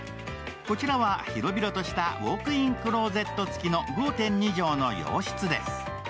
こちらは広々としたウオーク・イン・クローゼット付きの５．２畳の洋室です。